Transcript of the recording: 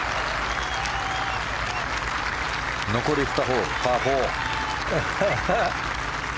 残り２ホール、パー４。